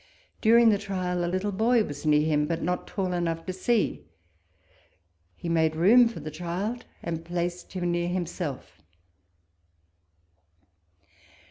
During the trial, a little boy was near him, but not tall enough to see ; he made room for the child and placed him near himself.